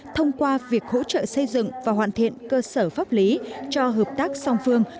thông qua việc hỗ trợ xây dựng và hoàn thiện cơ sở pháp lý cho hợp tác song phương